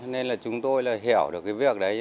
nên là chúng tôi hiểu được cái việc đấy